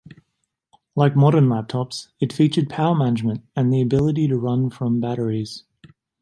Like modern laptops, it featured power management and the ability to run from batteries.